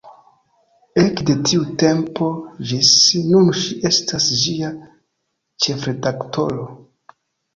Ekde tiu tempo ĝis nun ŝi estas ĝia ĉefredaktoro.